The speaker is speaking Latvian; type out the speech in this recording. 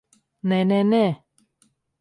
Nē, nē, nē!